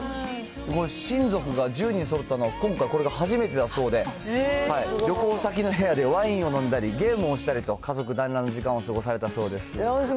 親族が１０人そろったのは今回、これが初めてだそうで、旅行先の部屋でワインを飲んだり、ゲームをしたりと、家族団らんの時間を過ごされたそうです。